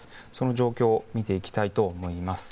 状況を見ていきたいと思います。